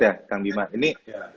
ya kang bima ini